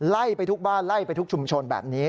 ไล่ไปทุกบ้านไล่ไปทุกชุมชนแบบนี้